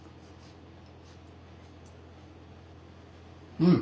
うん！